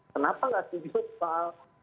kenapa tidak setuju soal